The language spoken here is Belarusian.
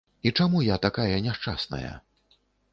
І чаму я такая няшчасная?